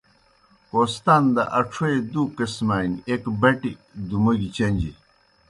کوہستان دہ اڇھویئے دُو قِسمانیْ، ایک بٹیْ دُوموگیْ چن٘جیْ.